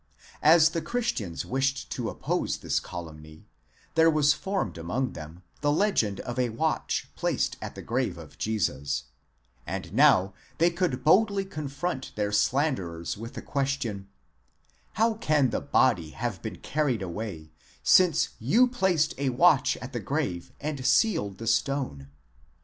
As the Christians wished to oppose this calumny, there was formed among them the legend of a watch placed at the grave of Jesus, and now they could boldly confront their slanderers with the question : hhow can the body have been carried away, since you placed a watch at the 'grave and sealed the stone?